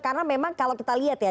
karena memang kalau kita lihat ya